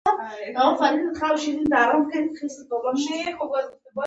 سندره د طبیعت سره همغږې ده